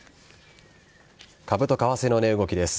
株と為替の値動きです。